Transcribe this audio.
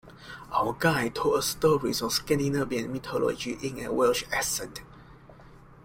Our guide told us stories of Scandinavian mythology in a Welsh accent.